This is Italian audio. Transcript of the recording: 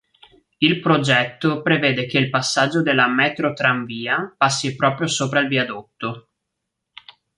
Il progetto prevede che il passaggio della metrotranvia passi proprio sopra il viadotto.